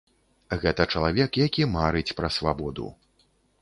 Гэта чалавек, які марыць пра свабоду.